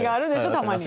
たまに。